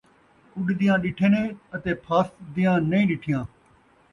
اُݙدیاں ݙٹھے نیں اتے پھاسدیاں نئیں ݙٹھیاں